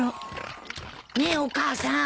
ねえお母さん。